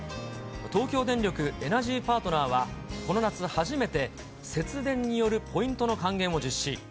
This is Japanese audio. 東京電力エナジーパートナーは、この夏初めて、節電によるポイントの還元を実施。